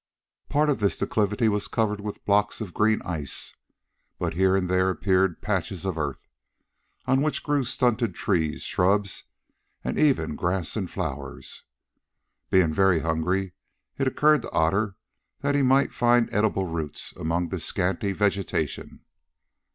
Part of this declivity was covered with blocks of green ice, but here and there appeared patches of earth, on which grew stunted trees, shrubs, and even grass and flowers. Being very hungry, it occurred to Otter that he might find edible roots among this scanty vegetation.